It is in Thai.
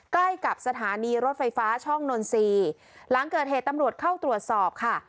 ใกล้กับสถานีรถไฟฟ้าช่องนนทรีย์หลังเกิดเหตุตำรวจเข้าตรวจสอบค่ะ